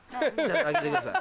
あげてください。